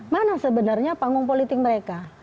mana sebenarnya panggung politik mereka